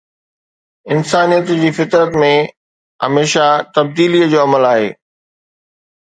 انسانيت جي فطرت ۾ هميشه تبديلي جو عمل آهي